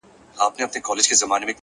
میکده په نامه نسته; هم حرم هم محرم دی;